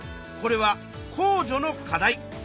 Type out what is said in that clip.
これは公助の課題。